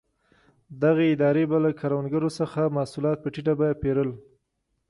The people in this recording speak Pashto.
دغې ادارې به له کروندګرو څخه محصولات په ټیټه بیه پېرل.